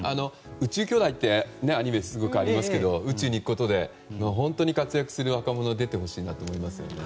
「宇宙兄弟」ってアニメがありますけど、宇宙に行くことで本当に活躍する若者が出てほしいなと思いますね。